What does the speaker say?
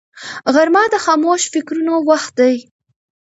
غرمه د خاموش فکرونو وخت دی